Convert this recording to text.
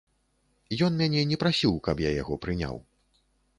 Ён мяне не прасіў, каб я яго прыняў.